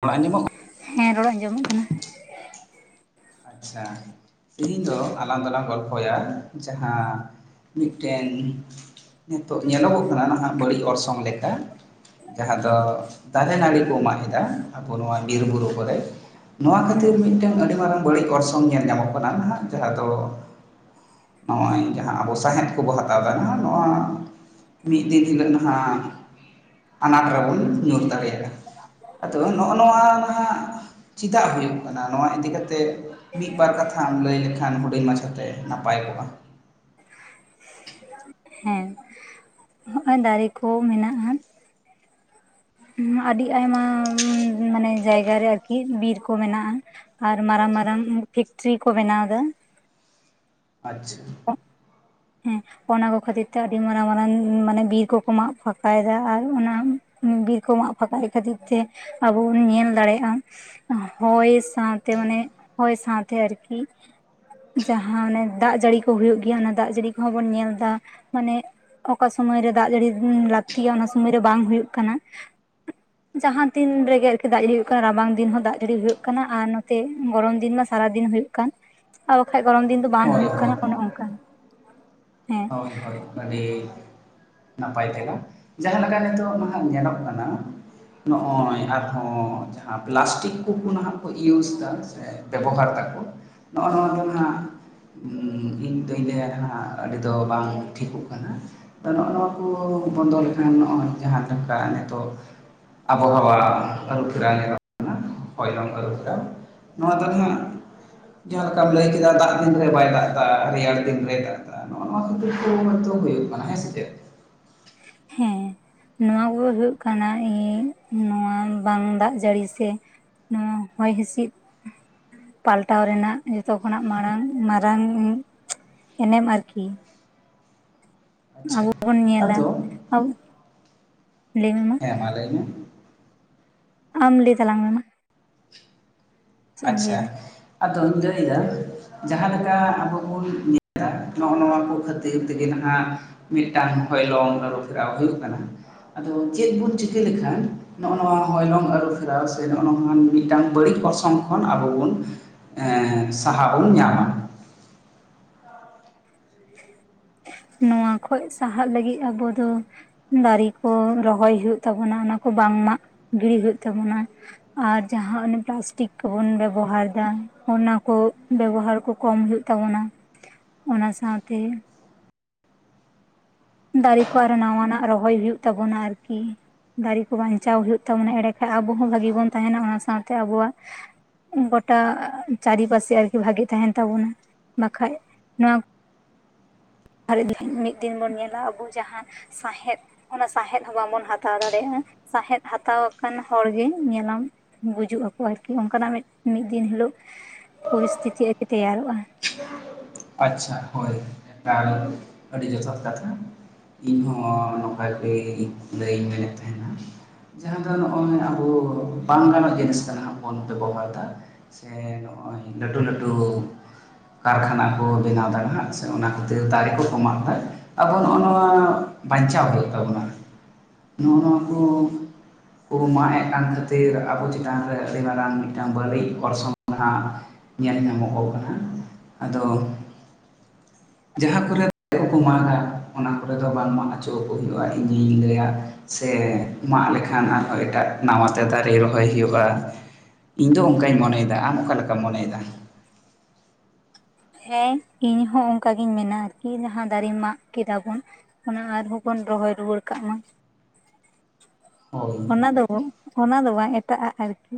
ᱵᱟᱝ ᱟᱸᱡᱚᱢᱚᱜ ᱠᱟ ᱦᱮᱸ ᱨᱚᱲ ᱟᱸᱡᱚᱢᱚᱜ ᱠᱟᱱᱟ ᱾ ᱟᱪᱪᱷᱟ ᱛᱮᱦᱤᱧ ᱫᱚ ᱟᱞᱟᱝ ᱫᱚᱞᱟᱝ ᱜᱚᱞᱯᱷᱚᱭᱟ ᱡᱟᱦᱟᱸ ᱢᱤᱫᱴᱮᱱ ᱱᱤᱛᱚᱜ ᱧᱮᱞᱚᱜᱚᱜ ᱠᱟᱱᱟ ᱱᱟᱦᱟᱜ ᱵᱟᱹᱲᱤᱡ ᱚᱨᱥᱚᱝ ᱞᱮᱠᱟ, ᱡᱟᱦᱟᱸ ᱫᱚ ᱫᱟᱨᱮ ᱱᱟᱹᱲᱤ ᱠᱚ ᱢᱟᱜ ᱮᱫᱟ ᱟᱵᱚ ᱱᱚᱣᱟ ᱵᱤᱨ ᱵᱩᱨᱩ ᱠᱚᱨᱮ, ᱱᱚᱣᱟ ᱦᱩᱸ ᱠᱷᱟᱹᱛᱤᱨ ᱢᱤᱫᱴᱮᱱ ᱟᱹᱰᱤ ᱢᱟᱨᱟᱝ ᱵᱟᱹᱲᱤᱡ ᱚᱨᱥᱚᱝ ᱧᱮᱞ ᱧᱟᱢᱚᱜ ᱠᱟᱱᱟ ᱱᱟᱜ ᱡᱟᱦᱟᱸ ᱫᱚ ᱱᱚᱜᱼᱚᱭ ᱡᱟᱦᱟᱸ ᱟᱵᱚ ᱥᱟᱦᱸᱮᱫ ᱠᱚᱵᱚ ᱦᱟᱛᱟᱣ ᱮᱫᱟ ᱱᱚᱣᱟ ᱢᱤᱫ ᱫᱤᱱ ᱦᱤᱞᱳᱜ ᱱᱟᱜ ᱟᱱᱟᱴ ᱨᱮᱵᱚᱱ ᱧᱩᱨ ᱫᱟᱲᱮᱭᱟᱜᱼᱟ᱾ ᱟᱫᱚ ᱱᱚᱜᱼᱚ ᱱᱚᱣᱟ ᱱᱟᱦᱟᱜ ᱪᱮᱫᱟᱜ ᱦᱩᱭᱩᱜ ᱠᱟᱱᱟ? ᱱᱚᱣᱟ ᱤᱫᱤ ᱠᱟᱛᱮ ᱢᱤᱫ ᱵᱟᱨ ᱠᱟᱛᱷᱟᱢ ᱞᱟᱹᱭ ᱞᱮᱠᱷᱟᱱ ᱦᱩᱰᱤᱧ ᱢᱟᱪᱷᱟᱛᱮ ᱱᱟᱯᱟᱭ ᱠᱚᱜᱼᱟ ᱾ ᱦᱮᱸ ᱱᱚᱜᱼᱚᱭ ᱫᱟᱨᱮ ᱠᱚ ᱢᱮᱱᱟᱜᱼᱟ ᱟᱹᱰᱤ ᱟᱭᱢᱟ ᱢᱟᱱᱮ ᱡᱟᱭᱜᱟ ᱨᱮ ᱟᱨᱠᱤ ᱵᱤᱨ ᱠᱚ ᱢᱮᱱᱟᱜᱼᱟ, ᱟᱨ ᱢᱟᱨᱟᱝ ᱢᱟᱨᱟᱝ ᱯᱷᱮᱠᱴᱨᱤ ᱠᱚ ᱵᱮᱱᱟᱣ ᱮᱫᱟ ᱾ ᱟᱪᱪᱷᱟ ᱦᱮᱸ ᱚᱱᱟ ᱠᱚ ᱠᱷᱟᱹᱛᱤᱨ ᱛᱮ ᱟᱹᱰᱤ ᱢᱟᱨᱟᱝ ᱢᱟᱨᱟᱝ ᱢᱟᱱᱮ ᱵᱤᱨ ᱠᱚᱠᱚ ᱢᱟᱜ ᱯᱷᱟᱸᱠᱟᱭ ᱮᱫᱟ ᱟᱨ ᱚᱱᱟᱼᱼ ᱵᱤᱨ ᱠᱚ ᱢᱟᱜ ᱯᱷᱟᱠᱟᱭᱮᱫ ᱠᱷᱟᱹᱛᱤᱨ ᱛᱮ ᱟᱵᱚ ᱵᱚᱱ ᱧᱮᱞ ᱫᱟᱲᱮᱭᱟᱜᱼᱟ, ᱦᱳᱭ ᱥᱟᱶᱛᱮ ᱢᱟᱱᱮ ᱦᱳᱭ ᱥᱟᱶᱛᱮ ᱟᱨᱠᱤ ᱡᱟᱦᱟᱸ ᱚᱱᱮ ᱫᱟᱜ ᱡᱟᱹᱲᱤ ᱠᱚ ᱦᱩᱭᱩᱜ ᱜᱮᱭᱟ, ᱚᱱᱟ ᱫᱟᱜ ᱡᱟᱹᱲᱤ ᱠᱚᱸᱦᱚᱸ ᱵᱚᱱ ᱧᱮᱞ ᱫᱟ ᱢᱟᱱᱮ ᱚᱠᱟ ᱥᱚᱢᱚᱭ ᱨᱮ ᱫᱟᱜ ᱡᱟᱹᱲᱤ ᱞᱟᱹᱠᱛᱤᱭᱟ ᱚᱱᱟ ᱥᱚᱢᱚᱭ ᱨᱮ ᱵᱟᱝ ᱦᱩᱭᱩᱜ ᱠᱟᱱᱟ ᱾ [inaudible] ᱡᱟᱦᱟᱸ ᱛᱤᱱ ᱨᱮᱜᱮ ᱟᱨᱠᱤ ᱫᱟᱜ ᱦᱩᱭᱩᱜ ᱠᱟᱱᱟ, ᱨᱟᱵᱟᱝ ᱫᱤᱱ ᱦᱚᱸ ᱫᱟᱜ ᱡᱟᱹᱲᱤ ᱦᱩᱭᱩᱜ ᱠᱟᱱᱟ, ᱟᱨ ᱱᱚᱛᱮ ᱜᱚᱨᱚᱢ ᱫᱤᱱ ᱢᱟ ᱥᱟᱨᱟ ᱫᱤᱱ ᱦᱳᱭᱳᱜ ᱠᱟᱱ, ᱟᱨ ᱵᱟᱠᱷᱟᱡ ᱜᱚᱨᱚᱢ ᱫᱤᱱ ᱫᱚ ᱵᱟᱝ ᱦᱳᱭ ᱦᱳᱭᱳᱜ ᱦᱳᱭ ᱠᱟᱱᱟ, ᱚᱱᱮ ᱚᱱᱠᱟᱱ ᱦᱮᱸ ᱾ ᱦᱳᱭ ᱦᱳᱭ ᱟᱹᱰᱤ ᱱᱟᱯᱟᱭ ᱛᱮᱞᱟ ᱾ ᱡᱟᱦᱟᱸ ᱞᱮᱠᱟ ᱱᱤᱛᱚᱜ ᱱᱟᱦᱟᱜ ᱧᱮᱞᱚᱜ ᱠᱟᱱᱟ ᱱᱚᱜᱼᱚᱭ ᱟᱨᱦᱚᱸ ᱡᱟᱦᱟᱸ ᱯᱞᱟᱥᱴᱤᱠ ᱠᱚᱠᱚ ᱱᱟᱦᱟᱜ ᱠᱚ ᱭᱩᱥ ᱮᱫᱟ ᱥᱮ, ᱵᱮᱵᱚᱦᱟᱨ ᱫᱟᱠᱚ ᱱᱚᱜᱼᱚ ᱱᱚᱣᱟ ᱫᱚ ᱱᱟᱜ ᱤᱧ ᱫᱩᱧ ᱞᱟᱹᱭᱟᱱᱟᱜ ᱟᱹᱰᱤ ᱫᱚ ᱵᱟᱝ ᱴᱷᱤᱠᱚᱜ ᱠᱟᱱᱟ, ᱟᱫᱚ ᱱᱚᱜᱼᱚ ᱱᱚᱣᱟ ᱠᱚ ᱵᱚᱱᱫᱚ ᱞᱮᱠᱷᱟᱱ ᱱᱚᱜᱼᱚᱭ ᱡᱟᱦᱟᱸ ᱞᱮᱠᱟ ᱱᱤᱛᱚᱜ ᱟᱵᱚᱣᱟᱜ ᱟᱹᱨᱩ ᱯᱷᱮᱨᱟᱣ ᱧᱚᱜᱚᱜ ᱠᱟᱱᱟ, ᱦᱚᱭ ᱚᱱᱠᱟ ᱟᱹᱨᱩᱯᱷᱮᱨᱟᱣ᱾ ᱱᱚᱣᱟ ᱫᱚ ᱱᱟᱦᱟᱜ ᱡᱟᱦᱟᱸ ᱞᱮᱠᱟᱢ ᱞᱟᱹᱭ ᱠᱮᱫᱟ ᱫᱟᱜ ᱫᱤᱱᱨᱮ ᱵᱟᱭ ᱫᱟᱜ ᱮᱫᱟ ᱨᱮᱭᱟᱲ ᱫᱤᱱ ᱨᱮᱭ ᱫᱟᱜ ᱮᱫᱟ ᱱᱚᱜᱼᱚ ᱱᱚᱣᱟ ᱠᱷᱟᱹᱛᱤᱨ ᱠᱚ ᱡᱚᱛᱚ ᱦᱩᱭᱩᱜ ᱠᱟᱱᱟ ᱦᱮᱸ ᱥᱮ ᱪᱮᱫ ᱾ ᱦᱮᱸ ᱱᱚᱣᱟ ᱠᱚᱫ ᱦᱳᱭᱳᱜ ᱠᱟᱱᱟ ᱤ ᱱᱚᱣᱟ ᱵᱟᱝ ᱫᱟᱜ ᱡᱟᱹᱲᱤ ᱥᱮ᱾ ᱱᱚᱣᱟ ᱦᱚᱭ ᱦᱤᱥᱤᱫ ᱯᱟᱞᱴᱟᱣ ᱨᱮᱱᱟᱜ ᱡᱚᱛᱚ ᱠᱷᱚᱱᱟᱜ ᱢᱟᱲᱟᱝ ᱢᱟᱨᱟᱝ ᱮᱱᱮᱢ ᱮᱱᱮᱢ ᱟᱨᱠᱤ᱾ ᱟᱪᱪᱷᱟ ᱟᱵᱚ ᱵᱚᱱ ᱧᱮᱞᱟ, ᱟᱫᱚ ᱟᱵᱚ ᱞᱟᱹᱭ ᱢᱮ ᱢᱟ᱾ ᱦᱮᱸ ᱢᱟ ᱞᱟᱹᱭ ᱢᱮ᱾ ᱟᱢ ᱞᱟᱹᱭ ᱛᱟᱞᱟᱝ ᱢᱮ ᱢᱟ᱾ ᱪᱮᱫ ᱮᱢ ᱞᱟᱹᱭ ᱮᱫᱟ ᱟᱪᱪᱷᱟ ᱟᱫᱚᱧ ᱞᱟᱹᱭᱟ ᱫᱟ᱾ ᱡᱟᱦᱟᱸ ᱞᱮᱠᱟ ᱟᱵᱚ ᱵᱚᱱ ᱧᱮᱞᱫᱟ᱾ ᱱᱚᱜᱼᱚ ᱱᱚᱣᱟ ᱠᱚ ᱠᱷᱟᱹᱛᱤᱨ ᱛᱮᱜᱮ ᱱᱟᱦᱟᱜ ᱢᱤᱫᱴᱟᱝ ᱦᱚᱭᱞᱚᱝ ᱟᱹᱨᱩ ᱯᱷᱮᱨᱟᱣ ᱦᱩᱭᱩᱜ ᱠᱟᱱᱟ᱾ ᱟᱫᱚ ᱪᱮᱫ ᱵᱚᱱ ᱪᱤᱠᱟᱹ ᱞᱮᱠᱷᱟᱱ? ᱱᱚᱜᱼᱚ ᱱᱚᱣᱟ ᱦᱚᱭᱞᱚᱝ ᱟᱹᱨᱩ ᱯᱷᱮᱨᱟᱣ ᱥᱮ ᱱᱚᱜᱼᱚ ᱱᱚᱣᱟ ᱢᱤᱫᱴᱟᱝ ᱵᱟᱹᱲᱤᱡ ᱚᱨᱥᱚᱝ ᱛᱚᱠᱷᱚᱱ ᱟᱵᱚ ᱵᱚᱱ ᱮᱸ ᱥᱟᱦᱟ ᱵᱚᱱ ᱧᱟᱢᱟ᱾ ᱱᱚᱣᱟ ᱠᱷᱚᱡ ᱥᱟᱦᱟᱜ ᱞᱟᱹᱜᱤᱫ ᱟᱵᱚ ᱫᱚ ᱫᱟᱨᱮ ᱠᱚ ᱨᱚᱦᱚᱭ ᱦᱳᱭᱳᱜ ᱛᱟᱵᱚᱱᱟ᱾ ᱚᱱᱟᱠᱚ ᱵᱟᱝ ᱢᱟᱜ ᱜᱤᱲᱤ ᱦᱳᱭᱳᱜ ᱛᱟᱵᱚᱱᱟ᱾ ᱟᱨ ᱡᱟᱦᱟᱸ ᱚᱱᱮ ᱯᱞᱟᱥᱴᱤᱠ ᱠᱚᱵᱚᱱ ᱵᱮᱵᱚᱦᱟᱨ ᱫᱟ᱾ ᱚᱱᱟ ᱠᱚ ᱵᱮᱵᱚᱦᱟᱨ ᱠᱚ ᱠᱚᱢ ᱦᱳᱭᱳᱜ ᱛᱟᱵᱚᱱᱟ᱾ ᱚᱱᱟ ᱥᱟᱶᱛᱮ ᱫᱟᱨᱮ ᱠᱚ ᱟᱨᱚ ᱱᱟᱣᱟᱱᱟᱜ ᱨᱚᱦᱚᱭ ᱦᱩᱭᱩᱜ ᱛᱟᱵᱚᱱᱟ ᱟᱨᱠᱤ᱾ ᱫᱟᱨᱮ ᱠᱚ ᱵᱟᱧᱪᱟᱣ ᱦᱩᱭᱩᱜ ᱛᱟᱵᱚᱱᱟ᱾ ᱮᱸᱰᱮ ᱠᱷᱟᱱ ᱟᱵᱚ ᱦᱚᱸ ᱵᱷᱟᱜᱤ ᱵᱚᱱ ᱛᱟᱦᱮᱸᱱᱟ᱾ ᱚᱱᱟ ᱥᱟᱶᱛᱮ ᱟᱵᱚᱣᱟᱜ ᱜᱚᱴᱟ ᱪᱟᱨᱤ ᱯᱟᱥᱮ ᱟᱨᱠᱤ ᱵᱷᱟᱜᱤ ᱛᱟᱦᱮᱸᱱ ᱛᱟᱵᱚᱱᱟ ᱵᱟᱠᱷᱟᱡ ᱱᱚᱣᱟ ᱟᱨ [unintelligible] ᱢᱤᱫ ᱫᱤᱱ ᱵᱚᱱ ᱧᱮᱞᱟ ᱟᱵᱚ ᱡᱟᱦᱟᱸ ᱥᱟᱸᱦᱮᱸᱫ ᱚᱱᱟ ᱥᱟᱸᱦᱮᱸᱫ ᱦᱚᱸ ᱵᱟᱵᱚᱱ ᱦᱟᱛᱟᱣ ᱫᱟᱲᱮᱭᱟᱜᱼᱟ, ᱥᱟᱸᱦᱮᱸᱫ ᱦᱟᱛᱟᱣ ᱟᱠᱟᱱ ᱦᱚᱲᱜᱮ ᱧᱮᱞᱟᱢ ᱜᱩᱡᱩᱜ ᱟᱠᱚ ᱟᱨᱠᱤ, ᱚᱱᱠᱟᱱᱟᱜ ᱢᱤᱫ ᱫᱤᱱ ᱦᱤᱞᱳᱜ ᱯᱚᱨᱤᱥᱛᱷᱤᱛᱤ ᱟᱨᱠᱤ ᱛᱮᱭᱟᱨᱚᱜᱼᱟ᱾ ᱟᱪᱪᱷᱟ ᱦᱳᱭ, ᱛᱟᱦᱚᱞᱮ ᱟᱹᱰᱤ ᱡᱚᱛᱷᱟᱛ ᱠᱟᱛᱷᱟ᱾ ᱤᱧᱦᱚ ᱱᱚᱝᱠᱟ ᱜᱮ ᱞᱟᱹᱭ ᱤᱧ ᱢᱮᱱᱮᱫ ᱛᱟᱦᱮᱸᱱᱟ᱾ ᱡᱟᱦᱟᱸ ᱫᱚ ᱱᱚᱜ-ᱚᱭ ᱟᱵᱚ ᱵᱟᱝ ᱜᱟᱱᱚᱜ ᱡᱤᱱᱤᱥ ᱠᱟᱱᱟ ᱵᱚᱱ ᱵᱮᱵᱚᱦᱟᱨ ᱫᱟ᱾ ᱥᱮ ᱱᱚᱜᱼᱚᱭ ᱞᱟᱹᱴᱩ ᱞᱟᱹᱴᱩ ᱠᱟᱨᱠᱷᱟᱱᱟ ᱠᱚ ᱵᱮᱱᱟᱣ ᱫᱟ ᱦᱟᱸᱜ ᱥᱮ ᱚᱱᱟ ᱠᱷᱟᱹᱛᱤᱨ ᱫᱟᱨᱮ ᱠᱚ ᱠᱚ ᱢᱟᱜ ᱫᱟ᱾ ᱟᱵᱚ ᱱᱚᱜ-ᱚ ᱱᱚᱣᱟ ᱵᱟᱧᱪᱟᱣ ᱦᱩᱭᱩᱜ ᱛᱟᱵᱚᱱᱟ᱾ ᱱᱚᱜᱼᱚ ᱱᱚᱣᱟ ᱠᱚ ᱠᱚ ᱢᱟᱜ ᱮᱫ ᱠᱟᱱ ᱠᱷᱟᱹᱛᱤᱨ ᱟᱵᱚ ᱪᱮᱛᱟᱱ ᱨᱮ ᱟᱹᱰᱤ ᱢᱟᱨᱟᱝ ᱢᱤᱫᱴᱟᱱ ᱵᱟᱹᱲᱤᱡ ᱚᱨᱥᱚᱝ ᱦᱟᱸᱜ ᱧᱮᱞ ᱧᱟᱢᱚᱜ ᱠᱟᱱᱟ᱾ ᱟᱫᱚ ᱡᱟᱦᱟᱸ ᱠᱚᱨᱮ ᱫᱟᱨᱮ ᱠᱚ ᱢᱟᱜᱟ, ᱚᱱᱟ ᱠᱚᱨᱮ ᱫᱚ ᱵᱟᱝ ᱢᱟᱜ ᱚᱪᱚ ᱟᱠᱚ ᱦᱩᱭᱩᱜᱼᱟ ᱤᱧᱤᱧ ᱞᱟᱹᱭᱟ᱾ ᱥᱮ ᱢᱟᱜ ᱞᱮᱠᱷᱟᱱ ᱟᱨᱦᱚᱸ ᱮᱴᱟᱜ ᱱᱟᱣᱟᱛᱮ ᱫᱟᱨᱮ ᱨᱚᱦᱚᱭ ᱦᱩᱭᱩᱜ-ᱟ᱾ ᱤᱧ ᱫᱚ ᱚᱱᱠᱟᱧ ᱢᱚᱱᱮᱭᱮᱫᱟ᱾ ᱟᱢ ᱚᱠᱟ ᱞᱮᱠᱟᱢ ᱢᱚᱱᱮᱭᱮᱫᱟ? ᱦᱮᱸ ᱤᱧ ᱦᱚᱸ ᱚᱱᱠᱟ ᱜᱤᱧ ᱢᱮᱱᱟ ᱟᱨᱠᱤ, ᱡᱟᱦᱟᱸ ᱫᱟᱨᱮ ᱢᱟᱜ ᱠᱮᱫᱟ ᱵᱚᱱ ᱚᱱᱟ ᱟᱨᱦᱚᱸ ᱵᱚᱱ ᱨᱚᱦᱚᱭ ᱨᱩᱣᱟᱹᱲ ᱠᱟᱜ ᱢᱟ᱾ ᱦᱳᱭ ᱚᱱᱟ ᱫᱚ ᱵᱚᱱ ᱚᱱᱟ ᱫᱚ ᱵᱟᱝ ᱮᱴᱟᱜᱼᱟᱜ ᱟᱨᱠᱤ᱾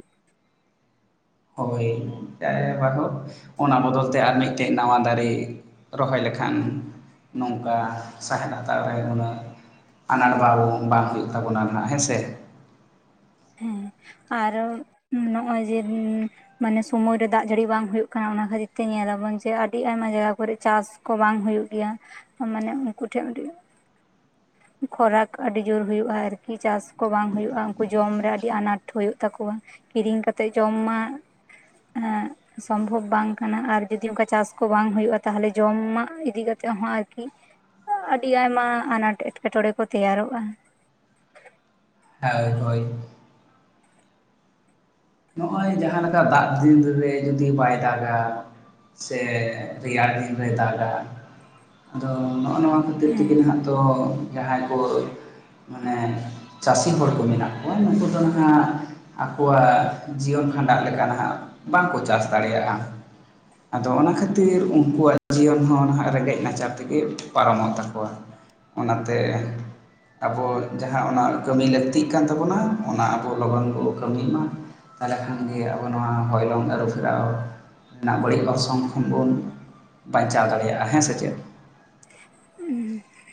ᱦᱳᱭ [unintelligible] ᱚᱱᱟ ᱵᱚᱫᱚᱞ ᱛᱮ ᱟᱨ ᱢᱤᱫᱴᱮᱡ ᱱᱟᱣᱟ ᱫᱟᱨᱮ ᱨᱚᱦᱚᱭ ᱞᱮᱠᱷᱟᱱ ᱱᱚᱝᱠᱟ ᱥᱟᱦᱮᱫ ᱟᱛᱟᱨ ᱨᱮ ᱩᱩᱱᱟᱹᱜ ᱟᱱᱟᱴ ᱵᱟᱵᱚᱸ ᱵᱟᱝ ᱦᱩᱭᱩᱜ ᱛᱟᱵᱚᱱᱟ ᱱᱟᱷᱟᱜ ᱦᱮᱸ ᱥᱮ ᱦᱮᱸ ᱟᱨᱚ ᱱᱚᱜ-ᱚᱭ ᱡᱮ [unintelligible] ᱢᱟᱱᱮ ᱥᱚᱢᱚᱭ ᱨᱮ ᱫᱟᱜ ᱡᱟᱹᱲᱤ ᱵᱟᱝ ᱦᱩᱭᱚᱜ ᱠᱟᱱᱟ ᱚᱱᱟ ᱠᱷᱟᱹᱛᱤᱨ ᱛᱮ ᱧᱮᱞ ᱟᱵᱚᱱ ᱡᱮ ᱟᱹᱰᱤ ᱟᱭᱢᱟ ᱡᱟᱭᱜᱟ ᱠᱚᱨᱮ ᱪᱟᱥ ᱠᱚ ᱵᱟᱝ ᱦᱩᱭᱩᱜ ᱜᱮᱭᱟ ᱢᱟᱱᱮ ᱩᱱᱠᱩ ᱴᱷᱮᱱ ᱩᱰᱤ ᱠᱷᱚᱨᱟᱠ ᱟᱹᱰᱤ ᱡᱳᱨ ᱦᱩᱭᱩᱜᱼᱟ ᱟᱨᱠᱤ᱾ ᱪᱟᱥ ᱠᱚ ᱵᱟᱝ ᱦᱩᱭᱩᱜᱼᱟ, ᱩᱱᱠᱩ ᱡᱚᱢ ᱨᱮ ᱟᱰᱤ ᱟᱱᱟᱴ ᱦᱩᱭᱩᱜ ᱛᱟᱠᱚᱣᱟ᱾ ᱠᱤᱨᱤᱧ ᱠᱟᱛᱮᱜ ᱡᱚᱢ ᱢᱟ, ᱚᱱᱮ ᱥᱚᱢᱵᱷᱚᱵᱽ ᱵᱟᱝ ᱠᱟᱱᱟ ᱟᱨ ᱡᱩᱫᱤ ᱚᱱᱠᱟ ᱪᱟᱥ ᱠᱚ ᱵᱟᱝ ᱦᱩᱭᱚᱜᱼᱟ ᱛᱟᱦᱚᱞᱮ ᱡᱚᱢᱟᱜ ᱤᱫᱤ ᱠᱟᱛᱮ ᱦᱚᱸ ᱟᱨᱠᱤ ᱟᱹᱰᱤ ᱟᱭᱢᱟ ᱟᱱᱟᱴ ᱮᱴᱠᱮᱴᱚᱬᱮ ᱠᱚ ᱛᱮᱭᱟᱨᱚᱜᱼᱟ ᱦᱮᱸ ᱦᱳᱭ ᱱᱚᱜᱼᱚᱭ ᱡᱟᱦᱟᱸ ᱞᱮᱠᱟ ᱫᱟᱜ ᱫᱤᱱ ᱨᱮ ᱡᱩᱫᱤ ᱵᱟᱭ ᱫᱟᱜᱟ, ᱥᱮ ᱨᱮᱭᱟᱲ ᱫᱤᱱ ᱨᱮ ᱫᱟᱜ ᱫᱟ, ᱟᱫᱚ ᱱᱚᱜᱼᱱᱚᱣᱟ ᱠᱷᱟᱛᱤᱨ ᱦᱮᱸ ᱛᱮᱜᱮ ᱱᱷᱟᱜ ᱛᱚ ᱡᱟᱦᱟᱸᱭ ᱠᱚ ᱢᱟᱱᱮ ᱪᱟᱥᱤ ᱦᱚᱲ ᱠᱚ ᱢᱮᱱᱟᱜ ᱠᱚᱣᱟ ᱱᱩᱠᱩ ᱫᱚ ᱦᱟᱦᱟᱸᱜ ᱟᱠᱚᱣᱟᱜ ᱡᱤᱭᱚᱱ ᱠᱷᱟᱸᱰᱟᱜ ᱞᱮᱠᱟ ᱱᱟᱦᱟᱜ ᱵᱟᱝ ᱠᱚ ᱪᱟᱥ ᱫᱟᱲᱮᱭᱟᱜᱼᱟ ᱾ ᱟᱫᱚ ᱚᱱᱟ ᱠᱷᱟᱛᱤᱨ ᱩᱱᱠᱩᱣᱟᱜ ᱡᱤᱭᱚᱱ ᱦᱚᱸ ᱱᱟᱦᱟᱜ ᱨᱮᱸᱜᱮᱡ ᱱᱟᱪᱟᱨ ᱛᱮᱜᱮ ᱯᱟᱨᱚᱢᱚᱜ ᱛᱟᱠᱚᱣᱟ ᱾ ᱚᱱᱟᱛᱮ ᱟᱵᱚ ᱡᱟᱦᱟᱸ ᱚᱱᱟ ᱠᱟᱹᱢᱤ ᱞᱟᱠᱛᱤᱜ ᱠᱟᱱ ᱛᱟᱵᱚᱱᱟ ᱚᱱᱟ ᱟᱵᱚ ᱞᱚᱜᱚᱱ ᱵᱚ ᱠᱟᱢᱤ ᱢᱟ ᱾ ᱛᱟᱞᱮ ᱠᱷᱟᱸ ᱟᱵᱚ ᱱᱚᱣᱟ ᱦᱚᱭᱞᱚᱝ ᱟᱨᱩ ᱯᱷᱮᱨᱟᱣ ᱨᱮᱱᱟᱜ ᱵᱟᱲᱤᱡ ᱚᱨᱥᱚᱝ ᱠᱷᱚᱱ ᱵᱚᱱ ᱵᱟᱧᱪᱟᱣ ᱫᱟᱲᱮᱭᱟᱜᱼᱟ ᱦᱮᱸ ᱥᱮ ᱪᱮᱫ ᱾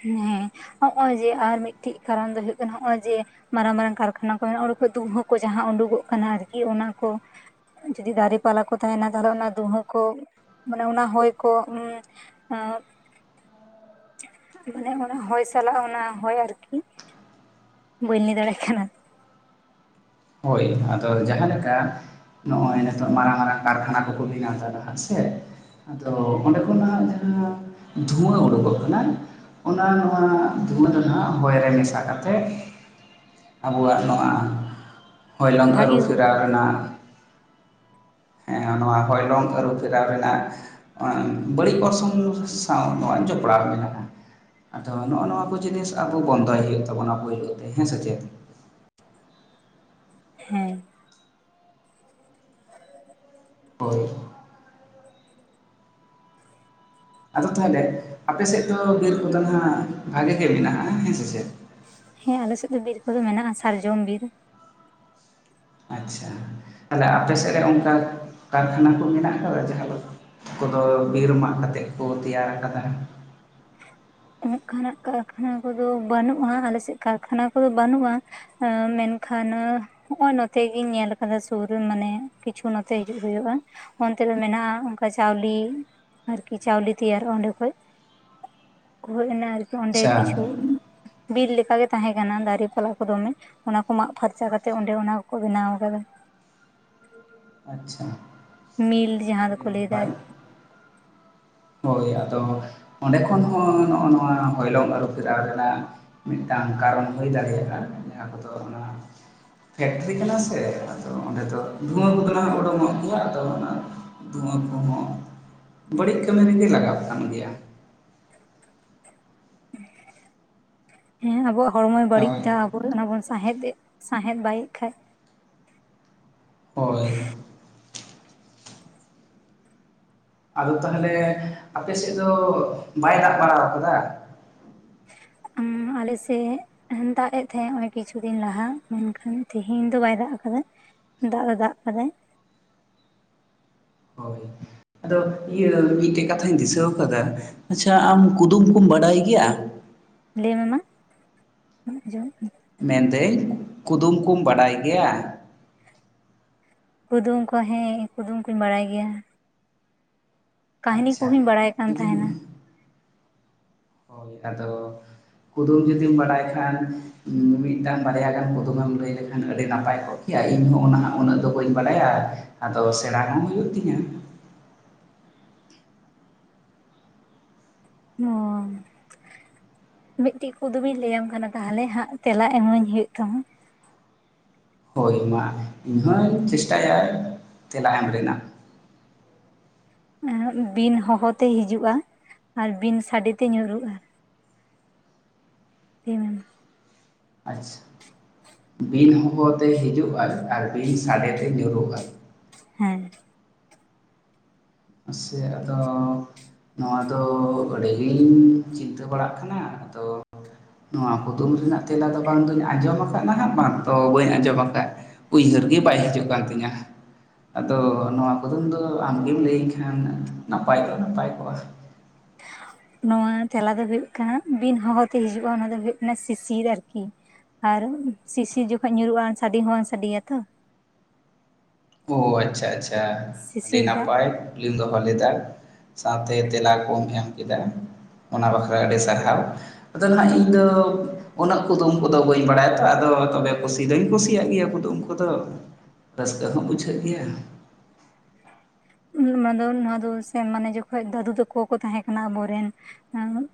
ᱦᱮᱸ ᱦᱚᱜᱼᱚᱭ ᱡᱮ ᱟᱨ ᱢᱤᱫᱴᱤᱡ ᱠᱟᱨᱚᱱ ᱫᱚ ᱦᱩᱭᱩᱜ ᱠᱟᱱᱟ ᱦᱚᱜᱼᱚᱭ ᱡᱮ ᱢᱟᱨᱟᱝ ᱢᱟᱨᱟᱝ ᱠᱟᱨᱠᱷᱟᱱᱟ ᱠᱚ ᱢᱮᱱᱟᱜᱼᱟ ᱚᱸᱰᱮ ᱠᱷᱚᱡ ᱫᱩᱦᱟᱹ ᱠᱚ ᱡᱟᱦᱟᱸ ᱩᱰᱩᱠᱚᱜ ᱠᱟᱱᱟ ᱟᱨᱠᱤ ᱚᱱᱟ ᱠᱚ ᱡᱚᱫᱤ ᱫᱟᱨᱮ ᱯᱟᱞᱟ ᱠᱚ ᱛᱟᱦᱮᱱᱟ ᱛᱟᱦᱚᱞᱮ ᱚᱱᱟ ᱫᱩᱢᱦᱟᱸᱹ ᱠᱚ ᱢᱟᱱᱮ ᱚᱱᱟ ᱦᱚᱭ ᱠᱚ ᱩᱻ ᱟᱸᱻ ᱢᱟᱱᱮ ᱚᱱᱟ ᱦᱚᱭ ᱥᱟᱞᱟᱜ ᱚᱱᱟ ᱦᱚᱭ ᱟᱨᱠᱤ ᱾ ᱵᱟᱹᱧ ᱞᱟᱹᱭ ᱫᱟᱲᱮᱭᱟᱜ ᱠᱟᱱᱟ ᱾ ᱦᱳᱭ ᱟᱫᱚ ᱡᱟᱦᱟᱸ ᱞᱮᱠᱟ ᱱᱚᱜᱼᱚᱭ ᱱᱤᱛᱚᱜ ᱢᱟᱨᱟᱝ ᱢᱟᱨᱟᱝ ᱠᱟᱨᱠᱷᱟᱱᱟ ᱠᱚᱠᱚ ᱵᱮᱱᱟᱣ ᱫᱟ ᱱᱟᱦᱟᱜ ᱥᱮ, ᱟᱫᱚ ᱚᱸᱰᱮ ᱠᱷᱚᱱᱟᱜ ᱡᱟᱦᱟᱸ ᱫᱷᱩᱣᱟᱸ ᱚᱰᱚᱠᱚᱜ ᱠᱟᱱᱟ, ᱚᱱᱟ ᱱᱚᱣᱟ ᱫᱷᱩᱣᱟᱹ ᱫᱚ ᱱᱷᱟᱜ ᱦᱚᱭ ᱨᱮ ᱢᱮᱥᱟ ᱠᱟᱛᱮ ᱟᱵᱚᱣᱟᱜ ᱱᱚᱣᱟ ᱦᱚᱭᱞᱚᱝ ᱟᱨᱩ ᱵᱷᱟᱜᱤ ᱯᱷᱮᱨᱟᱣ ᱨᱮᱱᱟᱜ ᱾ ᱦᱮᱸ ᱱᱚᱣᱟ ᱦᱚᱭᱞᱚᱝ ᱟᱹᱨᱩ ᱯᱷᱮᱨᱟᱣ ᱨᱮᱱᱟᱜᱼᱼ [unintelligible] ᱵᱟᱹᱲᱤᱡ ᱚᱨᱥᱚᱝ ᱥᱟᱶ ᱱᱚᱣᱟ ᱡᱚᱯᱲᱟᱣ ᱢᱮᱱᱟᱜᱼᱟ᱾ ᱟᱫᱚ ᱱᱚᱜᱼᱱᱚᱣᱟ ᱠᱚ ᱡᱤᱱᱤᱥ ᱟᱵᱚ ᱵᱚᱱᱫᱚᱭ ᱦᱩᱭᱩᱜ ᱛᱟᱵᱚᱱᱟ ᱯᱟᱹᱭᱞᱟᱹ ᱛᱮ ᱦᱮᱸ ᱥᱮ ᱪᱮᱫ? ᱦᱮᱸ᱾ ᱦᱳᱭ᱾ ᱟᱫᱚ ᱛᱟᱦᱞᱮ ᱟᱯᱮ ᱥᱮᱫ ᱫᱚ ᱵᱤᱨ ᱠᱚᱫᱚ ᱱᱷᱟᱜ ᱵᱷᱟᱜᱮ ᱜᱮ ᱢᱮᱱᱟᱜᱼᱟ, ᱦᱮᱸ ᱥᱮ ᱪᱮᱜ? ᱦᱮᱸ ᱟᱞᱮ ᱥᱮᱫ ᱫᱚ ᱵᱤᱨ ᱠᱚᱫᱚ ᱢᱮᱱᱟᱜᱼᱟ ᱥᱟᱨᱡᱚᱢ ᱵᱤᱨ ᱾ ᱟᱪᱪᱷᱟ ᱛᱟᱦᱞᱮ ᱟᱯᱮ ᱥᱮᱫ ᱨᱮ ᱚᱱᱠᱟ ᱠᱟᱨᱠᱷᱟᱱᱟ ᱠᱚ ᱢᱮᱱᱟᱜ ᱟᱠᱟᱫᱟ, ᱡᱟᱦᱟᱸ ᱫᱚ ᱠᱚᱫᱚ ᱵᱤᱨ ᱢᱟᱜ ᱠᱟᱛᱮᱜ ᱠᱩ ᱛᱮᱭᱟᱨ ᱠᱟᱫᱟ᱾ ᱚᱱᱠᱟᱱᱟᱜ ᱠᱟᱨᱠᱷᱟᱱᱟ ᱠᱚᱫᱚ ᱵᱟᱱᱩᱜᱼᱟ, ᱟᱞᱮᱥᱮᱫ ᱠᱟᱨᱠᱷᱟᱱᱟ ᱠᱚᱫᱚ ᱵᱟᱱᱩᱜᱼᱟ᱾ ᱟᱹ ᱢᱮᱱᱠᱷᱟᱱ ᱱᱟᱹ ᱦᱚᱜᱼᱚᱭ ᱱᱚᱛᱮ ᱜᱤᱧ ᱧᱮᱞ ᱟᱠᱟᱫᱟ ᱥᱩᱨ ᱨᱮ ᱢᱟᱱᱮ, ᱠᱤᱪᱷᱩ ᱱᱚᱛᱮ ᱦᱤᱡᱩᱜ ᱦᱩᱭᱩᱜᱼᱟ᱾ ᱚᱱᱛᱮ ᱨᱮ ᱢᱮᱱᱟᱜᱼᱟ, ᱚᱱᱠᱟ ᱪᱟᱣᱞᱤ ᱟᱨᱠᱤ ᱪᱟᱣᱞᱤ ᱛᱮᱭᱟᱨᱚᱜᱼᱟ ᱚᱸᱰᱮ ᱠᱷᱚᱡᱼᱼ ᱦᱳᱭ ᱮᱱᱟ ᱟᱨᱠᱤ ᱚᱸᱰᱮ ᱟᱪᱪᱷᱟ ᱠᱤᱪᱷᱩ ᱵᱤᱨ ᱞᱮᱠᱟ ᱜᱮ ᱛᱟᱦᱮᱸ ᱠᱟᱱᱟ ᱫᱟᱨᱮ ᱯᱟᱞᱟ ᱠᱚ ᱫᱚᱢᱮ, ᱚᱱᱟ ᱠᱚ ᱢᱟᱜ ᱯᱷᱟᱨᱪᱟ ᱠᱟᱛᱮ ᱚᱸᱰᱮ ᱚᱱᱟ ᱠᱚᱠᱚ ᱵᱮᱱᱟᱣ ᱟᱠᱟᱫᱟ᱾ ᱟᱪᱪᱷᱟ ᱢᱤᱞ ᱡᱟᱦᱟᱸ ᱫᱚ ᱟᱹᱰᱤ ᱠᱚ ᱞᱟᱹᱭ ᱮᱫᱟ ᱱᱟᱯᱟᱭ ᱟᱨᱠᱤ᱾ ᱦᱳᱭ ᱟᱫᱚ ᱚᱸᱰᱮ ᱠᱷᱚᱱ ᱦᱚᱸ ᱱᱚᱜᱼᱚ ᱱᱚᱣᱟ ᱦᱚᱭᱞᱚᱝ ᱟᱹᱨᱩ ᱯᱷᱮᱨᱟᱣ ᱨᱮᱱᱟᱜ ᱢᱤᱫᱴᱟᱱ ᱠᱟᱨᱚᱱ ᱦᱩᱭ ᱫᱟᱲᱮᱭᱟᱜᱼᱟ᱾ ᱡᱟᱦᱟᱸ ᱠᱚ ᱫᱚ ᱚᱱᱟ ᱯᱷᱮᱠᱴᱨᱤ ᱠᱟᱱᱟ ᱥᱮ ᱟᱫᱚ ᱚᱸᱰᱮ ᱫᱚ ᱫᱷᱩᱶᱟᱹ ᱠᱚᱫᱚ ᱱᱟᱜ ᱩᱰᱩᱠᱚᱜ ᱜᱮᱭᱟ᱾ ᱟᱫᱚ ᱚᱱᱟ ᱫᱷᱩᱶᱟᱹ ᱠᱚ ᱦᱚᱸ ᱵᱟᱹᱲᱤᱡ ᱠᱟᱹᱢᱤ ᱨᱮ ᱜᱮ ᱞᱟᱜᱟᱣ ᱠᱟᱱ ᱜᱮᱭᱟ᱾ ᱦᱮᱸ ᱟᱵᱚᱣᱟᱜ ᱦᱚᱲᱢᱚᱭ ᱵᱟᱹᱲᱤᱡ ᱦᱳᱭ ᱫᱟ, ᱟᱵᱚ ᱚᱱᱟ ᱵᱚᱱ ᱥᱟᱸᱦᱮᱫ ᱛᱮᱫ ᱥᱟᱸᱦᱮᱫ ᱵᱟᱭᱮᱜ ᱠᱷᱟᱱ᱾ ᱦᱳᱭ ᱟᱫᱚ ᱛᱟᱦᱚᱞᱮ ᱟᱯᱮ ᱥᱮᱫ ᱫᱚ ᱵᱟᱭ ᱫᱟᱜ ᱵᱟᱲᱟ ᱠᱟᱫᱟ? ᱩᱸ-ᱢ ᱟᱞᱮ ᱥᱮᱫ ᱩᱸᱦᱩ ᱫᱟᱜ ᱮᱫ ᱛᱟᱦᱮᱫ ᱱᱚᱜᱚᱭ ᱠᱤᱪᱷᱩ ᱫᱤᱱ ᱞᱟᱦᱟ ᱢᱮᱱᱠᱷᱟᱱ ᱛᱤᱦᱤᱧ ᱫᱚ ᱵᱟᱭ ᱫᱟᱜ ᱟᱠᱟᱫᱟ᱾ ᱫᱟᱜ ᱫᱚ ᱫᱟᱜ ᱠᱟᱫᱟᱭ ᱦᱳᱭ ᱟᱫᱚ ᱤᱭᱟᱹ ᱢᱤᱫᱴᱮᱡ ᱠᱟᱛᱷᱟᱧ ᱫᱤᱥᱟᱹᱣ ᱟᱠᱟᱫᱟ ᱟᱪᱪᱷᱟ ᱟᱢ ᱠᱩᱫᱩᱢ ᱠᱩᱢ ᱵᱟᱰᱟᱭ ᱜᱮᱭᱟ? ᱞᱟᱹᱭ ᱢᱮ ᱵᱟᱝ ᱟᱡᱚᱢᱚᱜ ᱠᱟᱼᱼ ᱢᱮᱱ ᱫᱟᱹᱧ ᱠᱩᱫᱩᱢ ᱠᱩᱢ ᱵᱟᱰᱟᱭ ᱜᱮᱭᱟ ᱠᱩᱫᱩᱢ ᱠᱚ ᱦᱮᱸ ᱠᱩᱫᱩᱢ ᱠᱩᱧ ᱵᱟᱲᱟᱭ ᱜᱮᱭᱟ ᱠᱟᱹᱦᱤᱱᱤ ᱟᱪᱪᱷᱟ ᱠᱚᱦᱚᱧ ᱵᱟᱲᱟᱭ ᱠᱟᱱ ᱛᱟᱦᱮᱸᱱᱟ ᱡᱩᱫᱤᱢ ᱦᱳᱭ ᱟᱫᱚ ᱠᱩᱫᱩᱢ ᱡᱩᱫᱤᱢ ᱵᱟᱰᱟᱭ ᱠᱷᱟᱱ ᱢᱤᱫ ᱴᱟᱱ ᱵᱟᱨᱭᱟ ᱜᱟᱱ ᱠᱩᱫᱩᱢᱮᱢ ᱞᱟᱹᱭ ᱞᱮᱠᱷᱟᱱ ᱟᱹᱰᱤ ᱱᱟᱯᱟᱭ ᱠᱚᱜ ᱠᱮᱭᱟ ᱤᱧᱦᱚᱸ ᱚᱱᱟ ᱩᱱᱟᱹᱜ ᱫᱚ ᱵᱟᱹᱧ ᱵᱟᱲᱟᱭᱟ ᱟᱫᱚ ᱥᱮᱬᱟ ᱦᱚᱸ ᱦᱩᱭᱩᱜ ᱛᱤᱧᱟᱹ ᱦᱳᱸ ᱢᱤᱫᱴᱤᱡ ᱠᱩᱫᱩᱢ ᱤᱧ ᱞᱟᱹᱭᱟᱢ ᱠᱟᱱᱟ ᱛᱟᱦᱚᱞᱮ ᱦᱟᱸᱜ ᱛᱮᱞᱟ ᱮᱢᱟᱹᱧ ᱦᱩᱭᱩᱜᱳᱜ ᱛᱟᱢᱟ ᱦᱳᱭ ᱢᱟ ᱤᱧᱦᱳᱧ ᱪᱮᱥᱴᱟᱭᱟ ᱛᱮᱞᱟ ᱮᱢ ᱨᱮᱱᱟᱜ ᱵᱤᱱ ᱦᱚᱦᱳ ᱛᱮ ᱦᱤᱡᱩᱜᱼᱟ ᱟᱨ ᱵᱤᱱ ᱥᱟᱰᱮ ᱛᱮ ᱧᱩᱨᱩᱜᱼᱟ ᱞᱟᱹᱭᱢᱮ ᱢᱟ ᱟᱪᱪᱷ ᱵᱤᱱ ᱦᱚᱦᱳ ᱛᱮ ᱦᱤᱡᱩᱜᱼᱟᱭ ᱟᱨ ᱵᱤᱱ ᱥᱟᱰᱮᱛᱮ ᱧᱩᱨᱩᱜ ᱟᱭ ᱦᱮᱸ ᱢᱟ ᱥᱮᱜ ᱟᱫᱚᱻᱻ ᱱᱚᱣᱟ ᱫᱚ ᱟᱹᱰᱤᱜᱤᱧ ᱪᱤᱱᱛᱟᱹ ᱵᱟᱲᱟᱜ ᱠᱟᱱᱟ ᱟᱫᱚ ᱱᱚᱣᱟ ᱠᱩᱫᱩᱢ ᱨᱮᱱᱟᱜ ᱛᱮᱞᱟ ᱫᱚ ᱵᱟᱝ ᱫᱚᱞᱤᱧ ᱟᱸᱡᱚᱢ ᱟᱠᱟᱫ ᱦᱟᱸᱜ ᱵᱟᱝ ᱫᱚ ᱵᱟᱹᱧ ᱟᱸᱡᱚᱢ ᱟᱠᱟᱫ ᱩᱭᱦᱟᱹᱨ ᱜᱮ ᱵᱟᱭ ᱦᱤᱡᱩᱜ ᱠᱟᱱ ᱛᱤᱧᱟ ᱟᱫᱚ ᱱᱚᱣᱟ ᱠᱩᱫᱩᱢ ᱫᱚ ᱟᱢᱜᱮᱢ ᱞᱟᱹᱭ ᱦᱮᱸᱱᱟᱝ ᱱᱟᱯᱟᱭ ᱠᱚᱜᱼ ᱱᱟᱯᱟᱭ ᱠᱚᱜᱼᱟ ᱥᱮ ᱱᱚᱣᱟ ᱛᱮᱞᱟ ᱫᱚ ᱦᱳᱭᱩᱜ ᱠᱟᱱᱟ ᱵᱤᱱ ᱦᱚᱦᱚᱛᱮ ᱦᱤᱡᱩᱜᱼᱟ ᱚᱱᱟ ᱫᱚ ᱦᱳᱭᱳᱜ ᱠᱟᱱᱟ ᱥᱤᱥᱤᱨ ᱟᱨᱠᱤ ᱟᱨ ᱥᱤᱥᱤᱨ ᱡᱚᱠᱷᱚᱡ ᱧᱩᱨᱦᱩᱜᱼᱟ ᱥᱟᱰᱮ ᱦᱚᱸ ᱵᱟᱝ ᱥᱟᱰᱮᱤᱭᱟ ᱛᱚ ᱳ ᱟᱪᱪᱷᱟ ᱟᱪᱪᱷᱟ ᱟᱹᱰᱤ ᱥᱤᱥᱤᱨ ᱫᱟᱜ ᱱᱟᱯᱟᱭ ᱠᱠᱞᱤᱢ ᱫᱚᱦᱚ ᱞᱮᱫᱟ ᱥᱟᱶᱛᱮ ᱛᱮᱞᱟ ᱠᱚᱦᱚᱢ ᱮᱢ ᱠᱮᱫᱟ ᱚᱱᱟ ᱵᱟᱠᱷᱨᱟ ᱟᱹᱰᱤ ᱥᱟᱨᱦᱟᱣ ᱟᱫᱚ ᱦᱟᱸᱜ ᱤᱧ ᱫᱚ ᱩᱱᱟᱹᱜ ᱠᱩᱫᱩᱢ ᱠᱚᱫᱚ ᱵᱟᱹᱧ ᱵᱟᱲᱟᱭᱟᱛᱚ ᱟᱫᱚ ᱛᱚᱵᱮ ᱠᱩᱥᱤ ᱫᱚᱧ ᱠᱩᱥᱤᱭᱟᱜ ᱜᱮᱭᱟ ᱠᱩᱫᱩᱢ ᱠᱚᱫᱚ ᱛᱟᱹᱦᱚᱢ ᱵᱩᱪᱷᱟᱹᱫ ᱜᱮᱭᱟ ᱚᱱᱟ ᱫᱚ ᱱᱚᱣᱟ ᱫᱚ ᱥᱮ ᱢᱟᱱᱮ ᱡᱚᱠᱷᱚᱱ ᱫᱟᱹᱫᱩ ᱛᱟᱠᱚ ᱠᱚ ᱛᱟᱦᱮᱸ ᱠᱟᱱᱟ ᱟᱵᱚᱨᱮᱱ ᱟᱹᱶᱟᱜ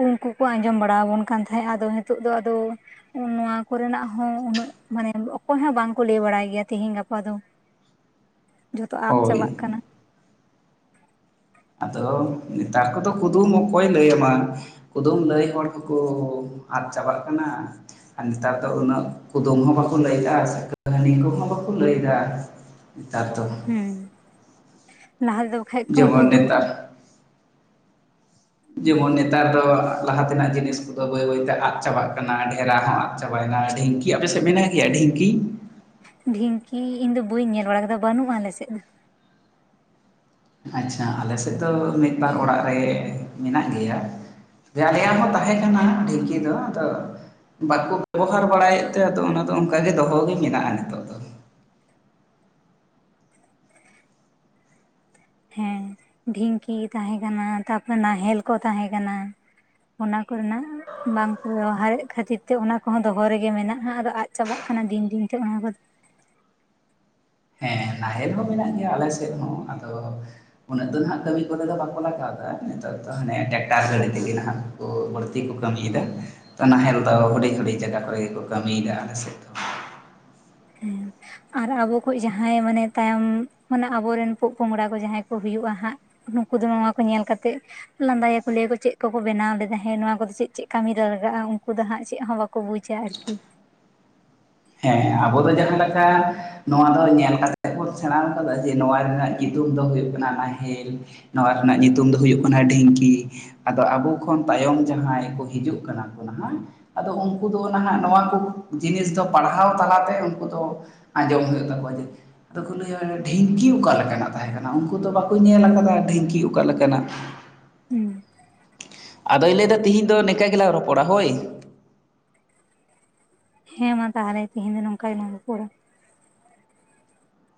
ᱩᱸᱩᱱᱠᱩ ᱠᱚ ᱟᱸᱡᱚᱢ ᱵᱟᱲᱟ ᱟᱵᱚᱱ ᱠᱟᱱ ᱛᱟᱦᱮᱸᱦᱟᱫ ᱟᱫᱚ ᱱᱤᱛᱚᱜ ᱫᱚ ᱟᱫᱚ ᱱᱚᱣᱟ ᱠᱚᱨᱮᱱᱟᱜ ᱦᱚᱸ ᱩᱱᱟᱹᱜ ᱢᱟᱱᱮ ᱚᱠᱚᱭ ᱦᱚᱸ ᱵᱟᱝᱠᱚ ᱞᱟᱹᱭ ᱵᱟᱲᱟᱭ ᱜᱮᱭᱟ ᱛᱤᱦᱮᱧ ᱜᱟᱯᱟ ᱫᱚ ᱡᱚᱛᱚ ᱟᱫ ᱦᱳᱭ ᱪᱟᱵᱟᱜ ᱠᱟᱱᱟ ᱟᱫᱚ ᱱᱮᱛᱟᱨ ᱠᱚ ᱫᱚ ᱠᱩᱫᱩᱢ ᱚᱠᱚᱭᱮ ᱞᱟᱹᱭ ᱟᱢᱟ ᱠᱩᱫᱩᱢ ᱞᱟᱹᱭ ᱦᱚᱲ ᱠᱚ ᱠᱚ ᱟᱫ ᱪᱟᱵᱟᱜ ᱠᱟᱱᱟ ᱟᱨ ᱱᱮᱛᱟᱨ ᱫᱚ ᱩᱱᱟᱹᱜ ᱠᱩᱫᱩᱢ ᱦᱚᱸ ᱵᱟᱠᱚ ᱞᱟᱹᱭ ᱫᱟ ᱥᱮ ᱠᱟᱹᱦᱱᱤ ᱠᱚᱦᱚᱸ ᱵᱟᱠᱚ ᱞᱟᱹᱭ ᱮᱫᱟ ᱱᱮᱛᱟᱨ ᱫᱚ ᱦᱩᱸ ᱞᱟᱦᱟ ᱛᱮᱫᱚ ᱵᱟᱠᱷᱟᱡ ᱠᱚ ᱡᱮᱢᱚᱱ ᱩᱫᱩᱠᱚᱼᱟ ᱱᱮᱛᱟᱨ ᱡᱮᱢᱚᱱ ᱱᱮᱛᱟᱨ ᱫᱚ ᱞᱟᱦᱟ ᱛᱮᱱᱟᱜ ᱡᱤᱱᱤᱥ ᱠᱚᱫᱚ ᱵᱟᱹᱭ ᱵᱟᱹᱭ ᱛᱮ ᱟᱫ ᱪᱟᱵᱟᱜ ᱠᱟᱱᱟ ᱰᱮᱨᱟ ᱟᱸᱜ ᱪᱟᱵᱟᱭᱮᱱᱟ ᱰᱷᱤᱝᱠᱤ ᱟᱯᱮᱥᱮᱫ ᱢᱮᱱᱟᱜ ᱜᱮᱭᱟ ᱰᱷᱤᱝᱠᱤ? ᱰᱷᱤᱝᱠᱤ ᱤᱧ ᱫᱚ ᱵᱟᱹᱧ ᱧᱮᱞ ᱵᱟᱲᱟ ᱟᱠᱟᱫᱟ ᱵᱟᱹᱱᱩᱜᱼᱟ ᱟᱞᱮᱥᱮᱫ ᱫᱚ ᱟᱪᱪᱷᱟ ᱟᱞᱮ ᱥᱮᱫ ᱫᱚ ᱢᱤᱫ ᱵᱟᱨ ᱚᱲᱟᱜ ᱨᱮ ᱢᱮᱱᱟᱜ ᱜᱮᱭᱟ ᱛᱟᱭᱮ ᱜᱮᱟᱠᱚ ᱦᱚᱸ ᱛᱟᱦᱮᱸ ᱠᱟᱱᱟ ᱰᱷᱤᱝᱠᱤ ᱫᱚ ᱟᱫᱚ ᱵᱟᱠᱚ ᱵᱮᱵᱚᱦᱟᱨ ᱵᱟᱲᱟᱭᱮᱫ ᱛᱮ ᱟᱫᱚ ᱚᱱᱟᱫᱚ ᱚᱱᱠᱟ ᱜᱮ ᱫᱚᱦᱚᱜᱮ ᱢᱮᱱᱟᱜᱼᱟ ᱱᱤᱛᱚᱜ ᱫᱚ ᱦᱮᱸ ᱰᱷᱤᱝᱠᱤ ᱛᱟᱦᱮᱸ ᱠᱟᱱᱟ ᱛᱟᱨᱯᱚᱨ ᱱᱟᱦᱮᱞ ᱠᱚ ᱛᱟᱦᱮᱸ ᱠᱟᱱᱟ ᱚᱱᱟ ᱠᱚᱨᱮᱱᱟᱜ ᱵᱟᱝᱠᱚ ᱵᱮᱵᱚᱦᱟᱨᱮᱫ ᱠᱷᱟᱹᱛᱤᱨ ᱛᱮ ᱚᱱᱟ ᱠᱚᱦᱚᱸ ᱫᱚᱦᱚ ᱨᱮᱜᱮ ᱢᱮᱱᱟᱜᱼᱟ ᱟᱫᱚ ᱟᱫ ᱪᱟᱵᱟᱜ ᱠᱟᱱᱟ ᱫᱤᱱ ᱫᱤᱱᱛᱮ ᱚᱱᱟ ᱠᱚᱛ ᱦᱮᱸ ᱱᱟᱦᱮᱞ ᱦᱚᱸ ᱢᱮᱱᱟᱜ ᱜᱮᱭᱟ ᱟᱞᱮ ᱥᱮᱫ ᱦᱚᱸ ᱟᱫᱚ ᱩᱱᱟᱹᱜ ᱫᱚ ᱱᱟᱦᱟᱜ ᱠᱟᱹᱢᱤ ᱠᱚᱨᱮ ᱫᱚ ᱵᱟᱠᱚ ᱞᱟᱜᱟᱣ ᱫᱟ ᱱᱮᱛᱟᱨ ᱫᱚ ᱦᱟᱱᱮ ᱴᱮᱠᱴᱟᱨ ᱜᱟᱹᱲᱤ ᱛᱮᱜᱮ ᱱᱟᱦᱟᱜ ᱠᱚ ᱵᱟᱹᱲᱛᱤ ᱠᱚ ᱠᱟᱹᱢᱤᱫᱟ ᱛᱚ ᱱᱟᱦᱮᱞ ᱫᱚ ᱦᱩᱰᱤᱧᱼ ᱦᱩᱰᱤᱧ ᱡᱟᱭᱜᱟ ᱠᱚᱨᱮ ᱜᱮ ᱠᱚ ᱠᱟᱹᱢᱤᱫᱟ ᱟᱞᱮ ᱥᱮᱫ ᱫᱚ ᱦᱮᱸ ᱟᱨ ᱟᱵᱚ ᱠᱷᱚᱡ ᱡᱟᱦᱟᱸᱭ ᱢᱟᱱᱮ ᱛᱟᱭᱚᱢ ᱢᱟᱱᱮ ᱟᱵᱚᱨᱮᱱ ᱯᱚᱜ ᱯᱚᱝᱲᱟ ᱠᱚ ᱡᱟᱦᱟᱸᱭ ᱠᱚ ᱦᱩᱭᱩᱜᱼᱟ ᱦᱟᱸᱜ ᱦᱟ. ᱝᱠᱩ ᱫᱚ ᱱᱚᱣᱟᱠᱚ ᱧᱮᱞᱠᱟᱛᱮᱫ ᱞᱟᱸᱫᱟᱭᱟᱠᱚ ᱞᱟᱹᱭᱟᱠᱚ ᱪᱮᱫ ᱠᱚᱠᱚ ᱵᱮᱱᱟᱣ ᱞᱮᱫᱟ ᱦᱮᱸ ᱱᱚᱣᱟ ᱠᱚᱫᱚ ᱪᱮᱫ ᱪᱮᱫ ᱠᱟᱹᱢᱤ ᱨᱮ ᱞᱟᱜᱟᱜᱼᱟ ᱩᱱᱠᱩ ᱫᱚ ᱦᱟᱸᱜ ᱪᱮᱫ ᱦᱚᱸ ᱵᱟᱠᱚ ᱠᱚ ᱵᱩᱪᱟ ᱟᱨᱠᱤ ᱦᱮ ᱦᱮᱸᱸ ᱟᱵᱚ ᱫᱚ ᱡᱟᱦᱟ ᱞᱮᱠᱟ ᱱᱚᱣᱟ ᱵᱚᱱ ᱧᱮᱞ ᱠᱟᱛᱮᱜ ᱵᱚᱱ ᱥᱮᱬᱟ ᱠᱟᱫᱟ ᱡᱮ ᱱᱚᱣᱟ ᱨᱮᱱᱟᱜ ᱧᱩᱛᱩᱢ ᱫᱚ ᱦᱩᱭᱩᱜ ᱠᱟᱱᱟ ᱱᱟᱦᱮᱞ ᱱᱚᱣᱟ ᱨᱮᱱᱟᱜ ᱧᱩᱛᱩᱢ ᱫᱚ ᱦᱩᱭᱩᱜ ᱠᱟᱱᱟ ᱰᱷᱤᱝᱠᱤ ᱟᱫᱚ ᱟᱵᱚ ᱠᱷᱚᱱ ᱛᱟᱭᱚᱢ ᱡᱟᱦᱟᱸᱭ ᱠᱚ ᱦᱤᱡᱩᱜ ᱠᱟᱱᱟ ᱠᱚ ᱱᱟᱦᱟᱜ ᱟᱫᱚ ᱩᱱᱠᱩ ᱫᱚ ᱱᱟᱦᱟᱜ ᱱᱚᱣᱟ ᱠᱚ ᱡᱤᱱᱤᱥ ᱫᱚ ᱯᱟᱲᱦᱟᱣ ᱛᱟᱞᱟᱛᱮ ᱩᱱᱠᱩ ᱫᱚ ᱟᱸᱡᱚᱢ ᱦᱩᱭᱩᱜ ᱛᱟᱠᱚᱣᱟ ᱡᱮ ᱟᱫᱚ ᱠᱚ ᱞᱟᱹᱭᱟ ᱰᱷᱤᱝᱠᱤ ᱚᱠᱟ ᱞᱮᱠᱟᱱᱟᱜ ᱛᱟᱦᱮᱸ ᱠᱟᱱᱟ ᱩᱱᱠᱩ ᱫᱚ ᱵᱟᱠᱚ ᱧᱮᱞ ᱠᱟᱫᱟ ᱰᱷᱤᱝᱠᱤ ᱚᱠᱟ ᱞᱮᱠᱟᱱᱟᱜ‌ ᱦᱩᱸ ᱟᱫᱚᱭ ᱞᱟᱹᱭᱫᱟ ᱛᱤᱦᱤᱧ ᱫᱚ ᱱᱤᱝᱠᱟ ᱜᱮᱞᱟ ᱨᱚᱯᱚᱲᱟ ᱦᱳᱭ ᱦᱮᱸ ᱢᱟ ᱛᱟᱦᱞᱮ ᱛᱤᱦᱤᱧ ᱫᱚ ᱱᱚᱝᱠᱟ ᱜᱮ ᱞᱟᱝ ᱨᱚᱯᱚᱲᱟ